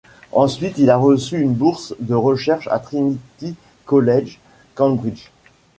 Ensuite il a reçu une bourse de recherche à Trinity College, Cambridge.